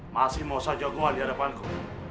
masih mau saja gue di hadapanku